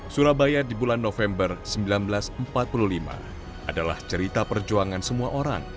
surabaya di bulan november seribu sembilan ratus empat puluh lima adalah cerita perjuangan semua orang